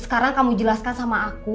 sekarang kamu jelaskan sama aku